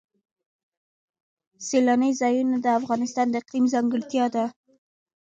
سیلانی ځایونه د افغانستان د اقلیم ځانګړتیا ده.